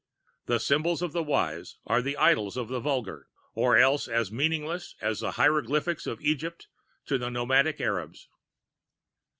The symbols of the wise are the idols of the vulgar, or else as meaningless as the hieroglyphics of Egypt to the nomadic Arabs.